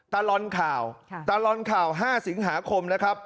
ตลอดข่าวตลอดข่าว๕สิงหาคมนะครับ